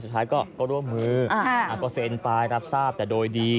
สุดท้ายก็ร่วมมือก็เซ็นไปรับทราบแต่โดยดี